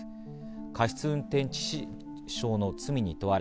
過失運転致死傷の罪に問われ